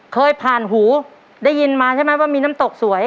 เคยผ่านหูได้ยินมาใช่ไหมว่ามีน้ำตกสวย